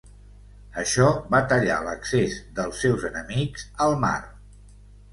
Això va tallar l'accés dels seus enemics al mar.